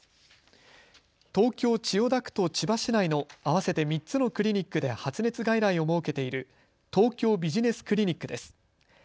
東京千代田区と千葉市内の合わせて３つのクリニックで発熱外来を設けている東京ビジネスクリニックです。